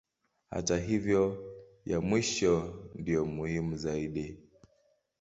Hata hivyo ya mwisho ndiyo muhimu zaidi.